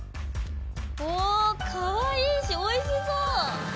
おかわいいしおいしそう！